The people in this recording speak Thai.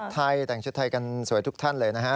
แต่งชุดไทยกันสวยทุกท่านเลย